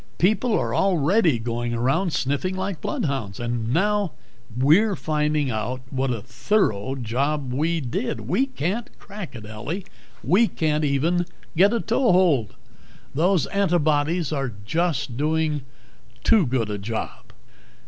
People are already going around sniffing like bloodhounds. And now we're finding out what a thorough job we did. We can't crack it, Ellie. We can't even get a toe hold. Those antibodies are just doing too good a job."